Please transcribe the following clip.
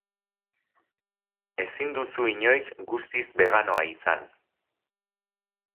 Ezin duzu inoiz guztiz beganoa izan.